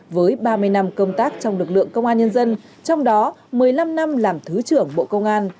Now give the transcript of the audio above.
với ba mươi năm công tác trong lực lượng công an nhân dân trong đó một mươi năm năm làm thứ trưởng bộ công an